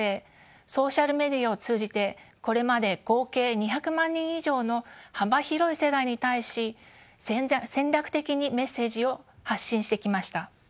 ソーシャルメディアを通じてこれまで合計２００万人以上の幅広い世代に対し戦略的にメッセージを発信してきました。